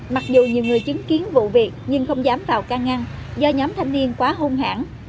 mặc dù nhiều người chứng kiến vụ việc nhưng không dám vào can ngăn do nhóm thanh niên quá hung hãn